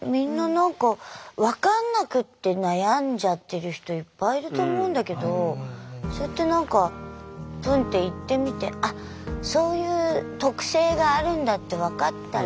みんな何かいっぱいいると思うんだけどそうやって何かプンッて行ってみてあっそういう特性があるんだって分かったら。